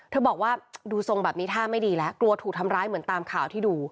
เธอบอกว่าดูทรงแบบนี้ท่าไม่ดีแล้ว